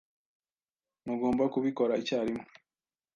Ntugomba kubikora icyarimwe